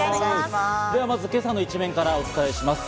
今朝の一面からお伝えします。